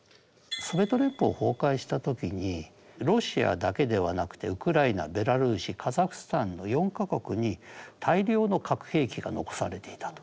ソビエト連邦崩壊した時にロシアだけではなくてウクライナベラルーシカザフスタンの４か国に大量の核兵器が残されていたと。